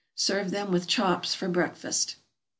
Serve them with chops for breakfast.